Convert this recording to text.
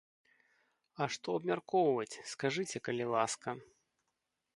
А што абмяркоўваць, скажыце, калі ласка?